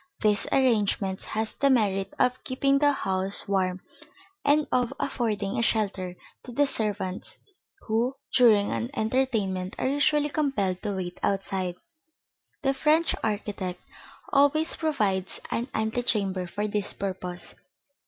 This arrangement has the merit of keeping the house warm and of affording a shelter to the servants who, during an entertainment, are usually compelled to wait outside. The French architect always provides an antechamber for this purpose.